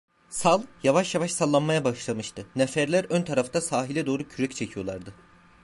Sal yavaş yavaş sallanmaya başlamıştı, neferler ön tarafta sahile doğru kürek çekiyorlardı.